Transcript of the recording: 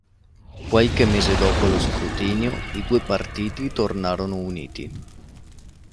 Qualche mese dopo lo scrutinio i due partiti tornarono uniti.